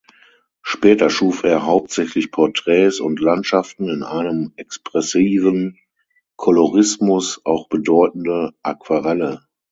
Später schuf er hauptsächlich Porträts und Landschaften in einem expressiven Kolorismus, auch bedeutende Aquarelle.